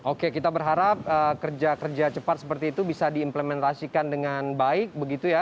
oke kita berharap kerja kerja cepat seperti itu bisa diimplementasikan dengan baik begitu ya